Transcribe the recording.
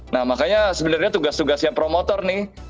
nah makanya sebenarnya tugas tugasnya promotor nih